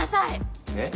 えっ？